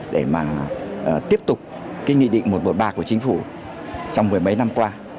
để mà tiếp tục cái nghị định một trăm một mươi ba của chính phủ trong mười mấy năm qua